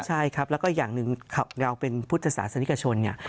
ใช่ครับแล้วก็อย่างหนึ่งเราเป็นพุทธศาสนิกชนเนี่ย